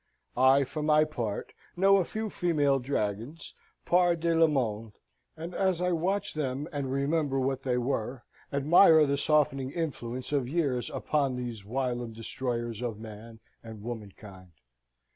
I, for my part, know a few female dragons, de par le monde, and, as I watch them and remember what they were, admire the softening influence of years upon these whilom destroyers of man and woman kind.